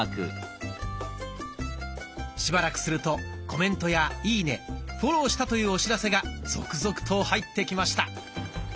しばらくするとコメントやいいねフォローしたというお知らせが続々と入ってきました。